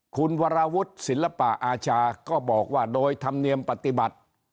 คุณวรวุฒิศิลปะอาชาก็บอกว่าโดยธรรมเนียมปฏิบัติ